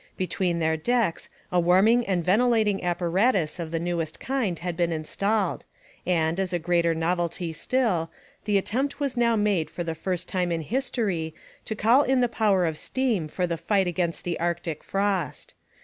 Between their decks a warming and ventilating apparatus of the newest kind had been installed, and, as a greater novelty still, the attempt was now made for the first time in history to call in the power of steam for the fight against the Arctic frost.